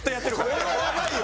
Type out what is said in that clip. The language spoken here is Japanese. これはやばいよ。